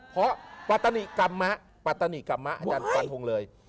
เพราะปัตนิกรรมมะปัตตนิกรรมะอาจารย์ฟันทงเลย